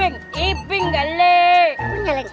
itu ada abang